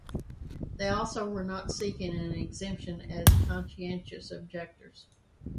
They also were not seeking an exemption as conscientious objectors.